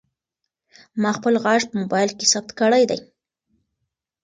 ما خپل غږ په موبایل کې ثبت کړی دی.